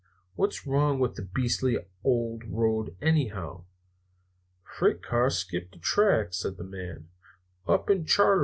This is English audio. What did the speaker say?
What's wrong with the beastly old road, anyhow?" "Freight car skipped the track," said the man, "up to Charlo.